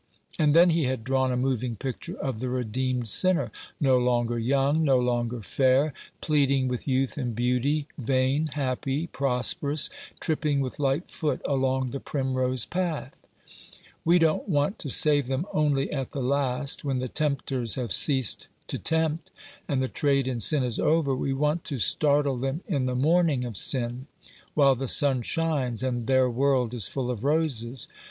And then he had drawn a moving picture of the redeemed sinner — no longer young, no longer 291 Rough Justice. fair, pleading with youth and beauty, vain, happy, prosperous, tripping with light foot along the primrose path. "We don't want to save them only at the last, when the tempters have ceased to tempt, and the trade in sin is over ; we want to startle them in the morning of sin, while the sun shines, and their world is full of roses.